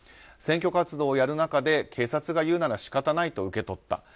選挙活動をやる中で警察が言うなら仕方ないと受け取った。